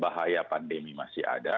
bahaya pandemi masih ada